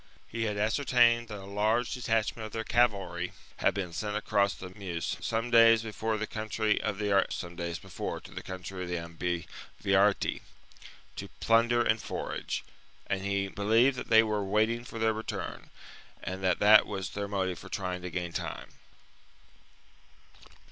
He had ascertained that a large detachment of their cavalry had been sent across the Meuse some days before to the country of the Ambivariti, to plunder and forage ; and he believed that they were waiting for their return, and that that was their motive for trying to gain time.